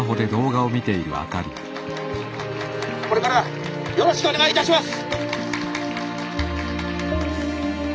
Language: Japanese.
「これからよろしくお願いいたします！」。